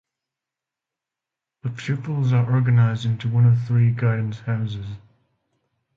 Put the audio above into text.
The pupils are organised into one of three guidance houses.